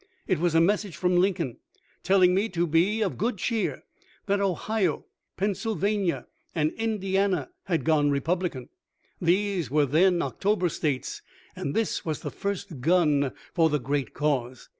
It was a message from Lincoln, telling me to be be of good cheer, that Ohio, Pennsylvania, and Indiana had gone Republican.* These were then October States, and this was the first gun for the great cause.